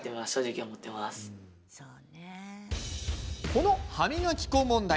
この歯磨き粉問題。